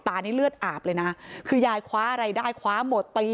นี้เลือดอาบเลยนะคือยายคว้าอะไรได้คว้าหมดตี